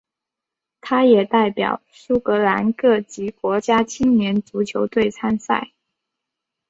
他也代表苏格兰各级国家青年足球队参赛。